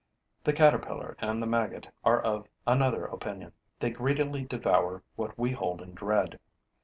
The caterpillar and the maggot are of another opinion: they greedily devour what we hold in dread.